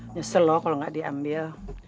nyesel loh kalau nggak diambil